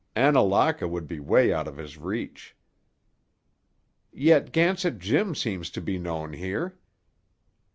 Annalaka would be way out of his reach." "Yet Gansett Jim seems to be known here."